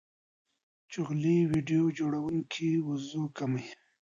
جعلي ویډیو جوړونکي وضوح کموي.